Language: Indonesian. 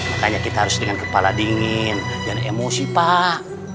makanya kita harus dengan kepala dingin dan emosi pak